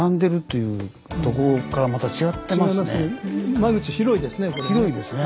間口広いですね。